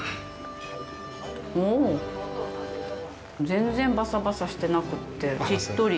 おぉ、全然バサバサしてなくて、しっとり。